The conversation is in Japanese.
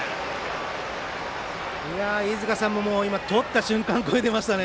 飯塚さんもとった瞬間、声が出ましたね。